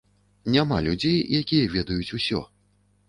Няма людзей, якія ведаюць усё.